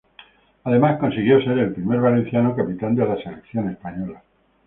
Además consiguió ser el primer valenciano capitán de la selección española.